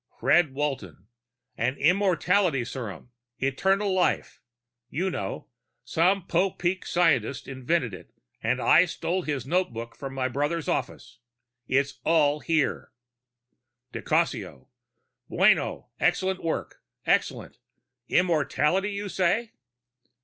_ Fred Walton: _An immortality serum. Eternal life. You know. Some Popeek scientist invented it, and I stole his notebook from my brother's office. It's all here._ Di Cassio: _Buono! Excellent work. Excellent. Immortality, you say?